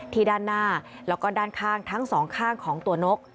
ด้านหน้าแล้วก็ด้านข้างทั้งสองข้างของตัวนก